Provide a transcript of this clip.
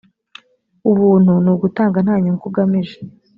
ubuntu nugutanga ntanyungu ugamije.